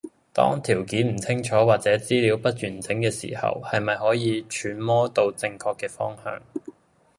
當條件唔清楚或者資料不完整嘅時候，係咪可以揣摩到正確嘅方向